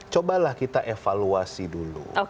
cobalah kita evaluasi dulu